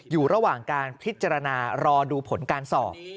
อยู่ระหว่างการพิจารณารอดูผลการสอบ